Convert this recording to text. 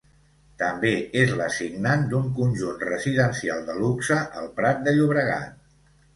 També és la signant d'un conjunt residencial de luxe al Prat de Llobregat.